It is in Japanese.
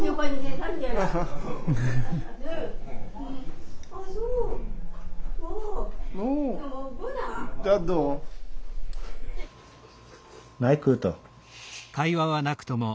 何食うと？